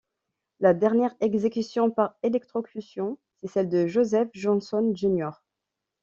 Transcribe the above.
La dernière exécution par électrocution, celle de Joseph Johnson Jr.